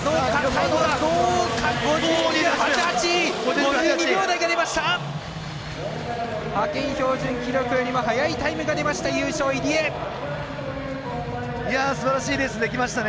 派遣標準記録よりも早いタイムが出ました。